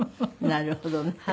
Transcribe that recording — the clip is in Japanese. なるほどね。